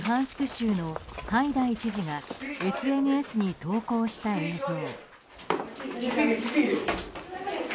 州のハイダイ知事がＳＮＳに投稿した映像。